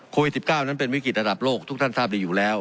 โควิด๑๙นั้นเป็นวิกฤตระดับโลกทุกท่านทราบดีอยู่แล้ว